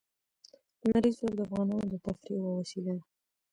لمریز ځواک د افغانانو د تفریح یوه وسیله ده.